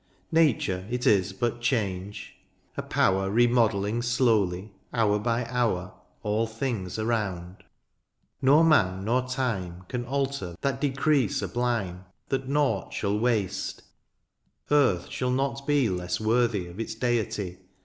Nature, it is but change ; a power Remodelling slowly, hour by hour. All things around ; nor man, nor time. Can alter that decree sublime That naught shall waste — earth shall not be Less worthy of its deity.